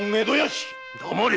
黙れ！